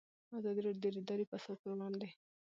ازادي راډیو د اداري فساد پر وړاندې یوه مباحثه چمتو کړې.